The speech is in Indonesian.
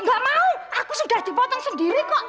gak mau aku sudah dipotong sendiri kok